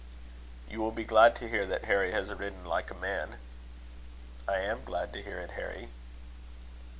"You will be glad to hear that Harry has ridden like a man." "I am glad to hear it, Harry."